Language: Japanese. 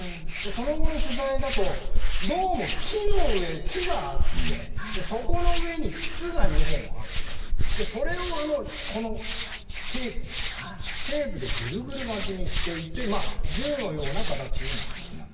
その後の取材だとどうも木があってそこの上に筒が２本あってそれをテープでぐるぐる巻きにしていて銃のような形になっていた。